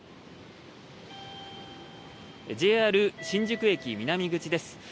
ＪＲ新宿駅南口です。